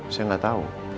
saya gak tau